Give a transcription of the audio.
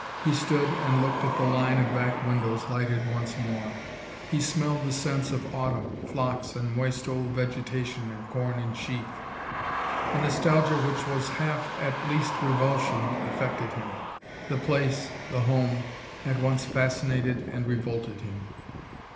He stood and looked at the line of back windows, lighted once more. He smelled the scents of autumn, phlox and moist old vegetation and corn in sheaf. A nostalgia which was half at least revulsion affected him. The place, the home, at once fascinated and revolted him.